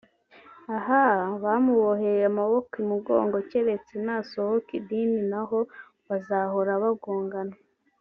ahhhhhhhh bamuboheye amaboko imugongo keretse nasohoka idini naho bazahora bagongana